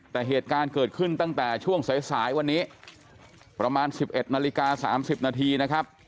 แต่เหตุการณ์เกิดขึ้นตั้งแต่ช่วงสายสายวันนี้ประมาณ๑๑นาฬิกา๓๐นาทีนะครับ